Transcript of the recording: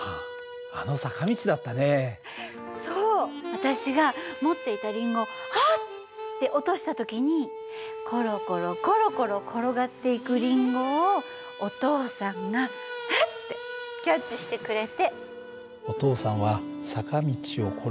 私が持っていたりんごを「あっ！」って落とした時にころころころころ転がっていくりんごをお父さんが「ふっ！」ってキャッチしてくれて。